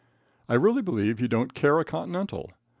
I really believe he don't care a continental.